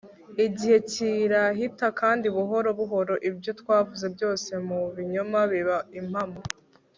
igihe kirahita, kandi buhoro buhoro ibyo twavuze byose mu binyoma biba impamo